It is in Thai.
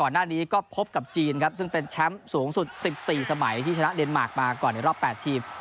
หน้านี้ก็พบกับจีนครับซึ่งเป็นแชมป์สูงสุด๑๔สมัยที่ชนะเดนมาร์คมาก่อนในรอบ๘ทีม